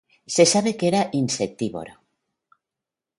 Se sabe que era insectívoro.